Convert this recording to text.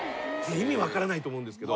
意味分からないと思うんですけど。